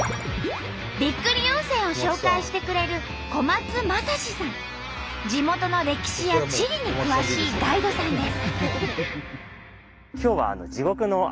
びっくり温泉を紹介してくれる地元の歴史や地理に詳しいガイドさんです。